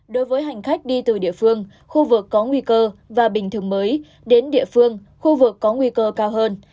đối với hành khách đi từ địa phương khu vực có nguy cơ và bình thường mới đến địa phương khu vực có nguy cơ cao hơn